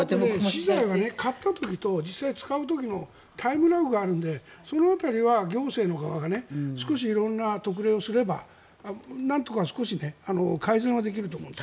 あと、資材は買ったあとと実際に使う時にタイムラグがあるのでそこは行政が色んな特例をすればなんとか改善はできると思います。